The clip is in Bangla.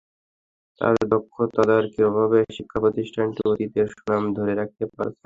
তাঁর দক্ষ তদারকির অভাবে শিক্ষাপ্রতিষ্ঠানটি অতীতের সুনাম ধরে রাখতে পারছে না।